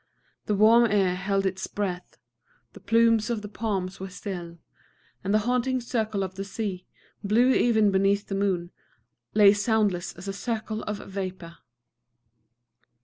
The warm air held its breath; the plumes of the palms were still; and the haunting circle of the sea, blue even beneath the moon, lay soundless as a circle of vapor.